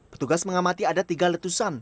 petugas mengamati ada tiga letusan